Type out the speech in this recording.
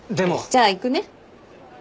じゃあ行くね。